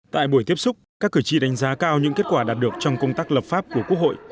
tại buổi tiếp xúc các cử tri đánh giá cao những kết quả đạt được trong công tác lập pháp của quốc hội